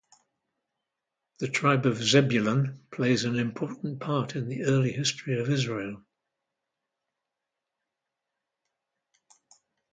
The Tribe of Zebulun plays an important part in the early history of Israel.